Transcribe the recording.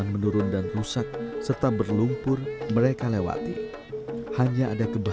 tumpeng merupakan tradisi yang tidak bisa lepas daripada aktivitas warga tengger